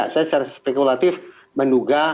saya secara spekulatif menduga